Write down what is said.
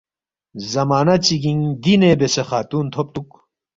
زمانہ چِگِنگ دینے بیاسے خاتون تھوبتُوک